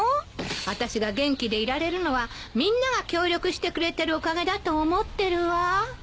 あたしが元気でいられるのはみんなが協力してくれてるおかげだと思ってるわ。